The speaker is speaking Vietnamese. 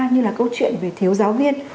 như là câu chuyện về thiếu giáo viên